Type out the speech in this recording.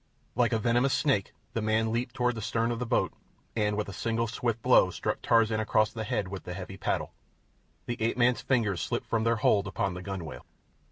Like a venomous snake the man leaped toward the stern of the boat, and with a single swift blow struck Tarzan across the head with the heavy paddle. The ape man's fingers slipped from their hold upon the gunwale.